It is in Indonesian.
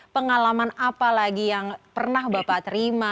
pengalaman apa lagi yang pernah bapak terima